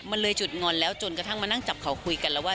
มันเลยจุดงอนแล้วจนกระทั่งมานั่งจับเขาคุยกันแล้วว่า